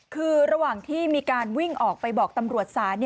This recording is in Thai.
คือระหว่างที่มีการวิ่งออกไปบอกตำรวจศาล